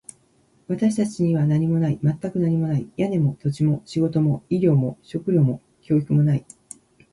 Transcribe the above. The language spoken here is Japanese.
私たちには何もない。全く何もない。屋根も、土地も、仕事も、医療も、食料も、教育もない。